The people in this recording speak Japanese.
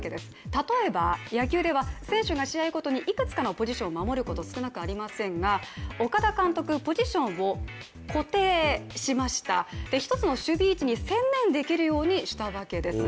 例えば、野球では選手が試合ごとにいくつかのポジションを守ることは少なくありませんが、岡田監督ポジションを固定しました、一つの守備位置に専念できるようにしたわけです。